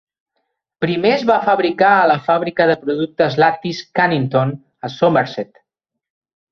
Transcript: Primer es va fabricar a la fàbrica de productes lactis Cannington, a Somerset.